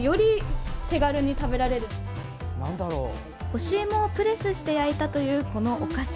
干しいもをプレスして焼いたという、このお菓子。